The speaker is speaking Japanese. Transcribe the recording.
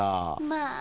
まあ！